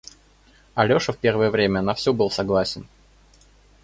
Алеша в первое время на всё был согласен.